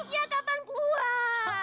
ya kapan kuat